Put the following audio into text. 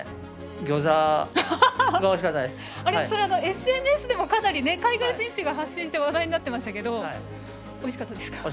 ＳＮＳでもかなり海外選手が発信して話題になってましたけどおいしかったですか。